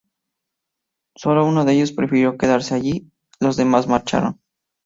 Sólo uno de ellos prefirió quedarse allí, los demás marcharon.